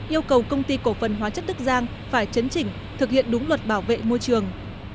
yêu cầu công ty cổ phần hóa chất đức giang phải chấn chỉnh thực hiện đúng luật bảo vệ môi trường